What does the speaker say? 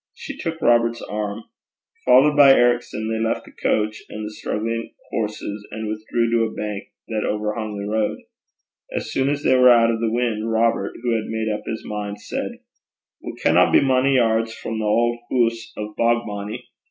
She took Robert's arm. Followed by Ericson, they left the coach and the struggling horses, and withdrew to a bank that overhung the road. As soon as they were out of the wind, Robert, who had made up his mind, said, 'We canna be mony yairds frae the auld hoose o' Bogbonnie.